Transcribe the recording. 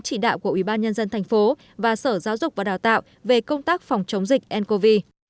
chỉ đạo của ubnd tp và sở giáo dục và đào tạo về công tác phòng chống dịch ncov